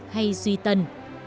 hay duy tần